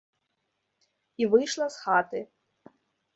І выйшла з хаты.